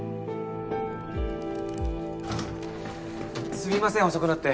すみません遅くなって。